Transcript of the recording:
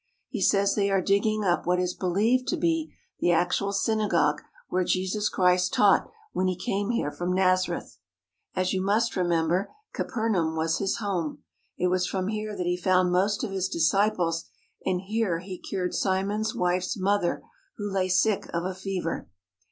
He says they are digging up what is be lieved to be the actual synagogue where Jesus Christ taught when He came here from Nazareth. As you must remember, Capernaum was His home. It was from here that He found most of His disciples and here He cured Simon's wife's mother who lay sick of a fever.